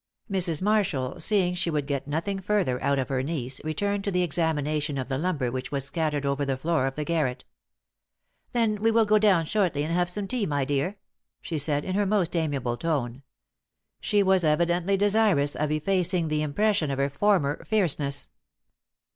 Mrs. Marshall, seeing she would get nothing further out of her niece, returned to the examination of the lumber which was scattered over the floor of the garret. "Then we will go down shortly and have some tea, my dear," she said, in her most amiable tone. She was evidently desirous of effacing the impression of her former fierceness.